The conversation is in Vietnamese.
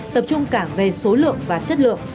tập trung cả về số lượng và chất lượng